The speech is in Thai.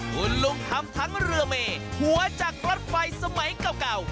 คุณลุงทำทั้งเรือเมหัวจากรถไฟสมัยเก่า